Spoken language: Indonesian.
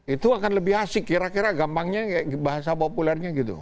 itu akan lebih asik kira kira gampangnya bahasa populernya gitu